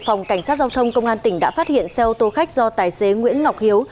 phòng cảnh sát giao thông công an tỉnh đã phát hiện xe ô tô khách do tài xế nguyễn ngọc hiếu